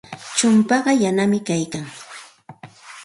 Chumpaa yanami kaykan.